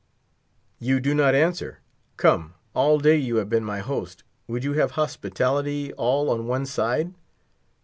"You do not answer. Come, all day you have been my host; would you have hospitality all on one side?"